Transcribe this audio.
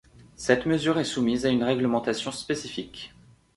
Cette mesure est soumise à une règlementation spécifique.